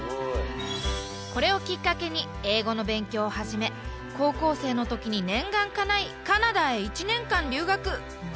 これをきっかけに英語の勉強を始め高校生の時に念願かないカナダへ１年間留学。